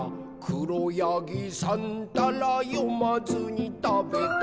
「しろやぎさんたらよまずにたべた」